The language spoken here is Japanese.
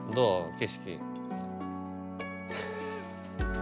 景色。